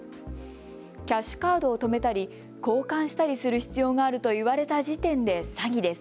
キャッシュカードを止めたり交換したりする必要があると言われた時点で詐欺です。